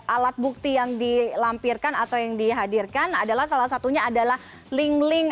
alat bukti yang dilampirkan atau yang dihadirkan adalah salah satunya adalah link link